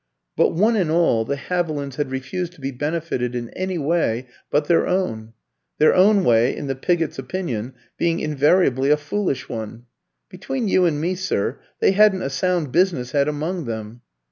But, one and all, the Havilands had refused to be benefited in any way but their own; their own way, in the Pigotts' opinion, being invariably a foolish one "between you and me, sir, they hadn't a sound business head among them."